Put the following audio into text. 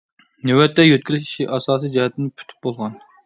نۆۋەتتە يۆتكىلىش ئىشى ئاساسى جەھەتتىن پۈتۈپ بولغان.